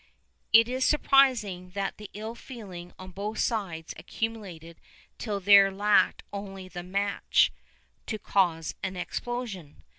Is it surprising that the ill feeling on both sides accumulated till there lacked only the match to cause an explosion?